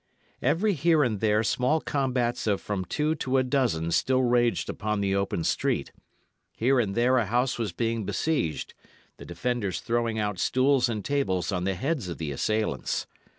Every here and there small combats of from two to a dozen still raged upon the open street; here and there a house was being besieged, the defenders throwing out stools and tables on the heads of the assailants.